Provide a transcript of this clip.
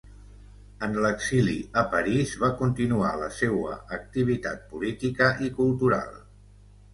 En l'exili a París va continuar la seua activitat política i cultural.